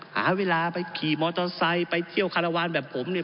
หาเวลาไปขี่มอเตอร์ไซค์ไปเที่ยวคารวาลแบบผมเนี่ย